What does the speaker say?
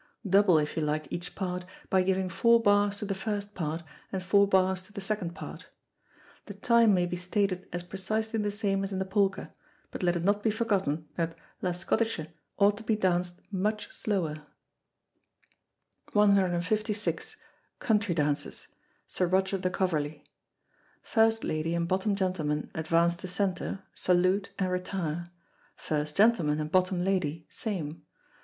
Double, if you like, each part, by giving four bars to the first part, and four bars to the second part. The time may be stated as precisely the same as in the polka; but let it not be forgotten that La Schottische ought to be danced much slower. 156. Country Dances. Sir Roger de Coverley. First lady and bottom gentleman advance to centre, salute, and retire; first gentleman and bottom lady, same.